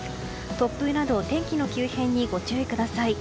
突風など天気の急変にご注意ください。